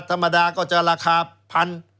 ธรรมดาก็จะราคาพัน